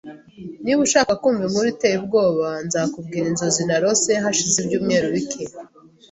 Niba ushaka kumva inkuru iteye ubwoba, nzakubwira inzozi narose hashize ibyumweru bike.